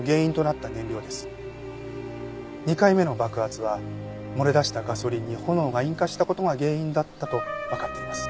２回目の爆発は漏れ出したガソリンに炎が引火した事が原因だったとわかっています。